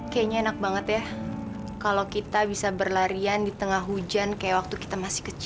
kayaknya enak banget ya kalau kita bisa berlarian di tengah hujan kayak waktu kita masih kecil